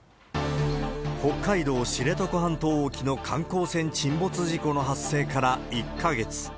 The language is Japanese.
北海道知床半島沖の観光船沈没事故の発生から１か月。